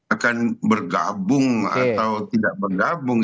akan bergabung atau tidak bergabung